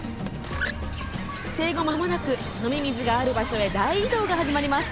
生後まもなく飲み水がある場所へ大移動が始まります。